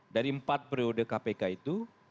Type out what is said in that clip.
dari empat periode kpk itu